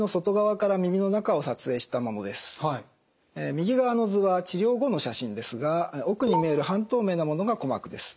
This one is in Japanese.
右側の図は治療後の写真ですが奥に見える半透明なものが鼓膜です。